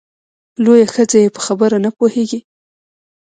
لویه ښځه یې په خبره نه پوهېږې !